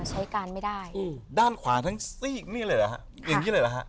ใช้การไม่ได้อืมด้านขวาทั้งซีกนี่เลยเหรอฮะอย่างงี้เลยเหรอฮะ